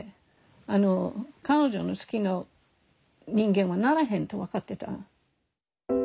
あの彼女の好きな人間はならへんと分かってた。